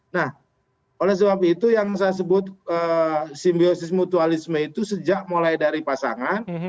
nah oleh sebab itu yang saya sebut simbiosis mutualisme itu sejak mulai dari pasangan